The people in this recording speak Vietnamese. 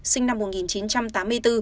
sinh năm một nghìn chín trăm tám mươi bốn